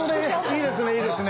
いいですね！